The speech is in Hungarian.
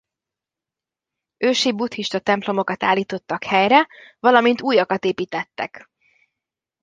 Ősi buddhista templomokat állítottak helyre valamint újakat építettek.